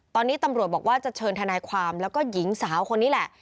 ตอนนี้ตำรวจบอกว่าจะเชิญทนายความแล้วก็หญิงสาวคนนี้แหละ